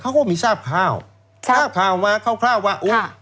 เขาก็มีทราบข้าวข้าวข้าวข้าวข้าวข้าวข้าวข้าว